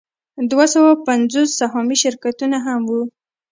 دوه سوه پنځوس سهامي شرکتونه هم وو